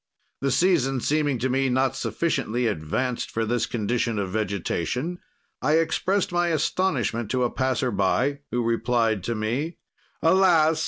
"The season seeming to me not sufficiently advanced for this condition of vegetation, I exprest my astonishment to a passer by, who replied to me: "'Alas!